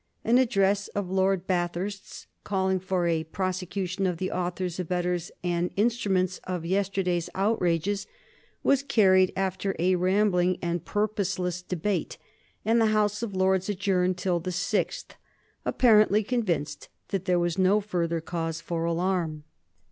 An address of Lord Bathurst's, calling for a prosecution of "the authors, abettors, and instruments of yesterday's outrages," was carried after a rambling and purposeless debate, and the House of Lords adjourned till the 6th, apparently convinced that there was no further cause for alarm.